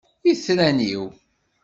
Itran-iw!